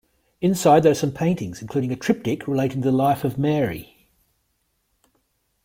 Inside there are some paintings, including a triptych relating the life of Mary.